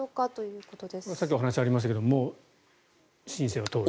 これはさっきお話がありましたがもう申請は通ると。